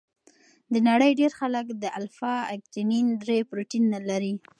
د نړۍ ډېر خلک د الفا اکتینین درې پروټین نه لري.